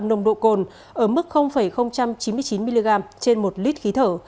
nồng độ cồn ở mức chín mươi chín mg trên một lít khí thở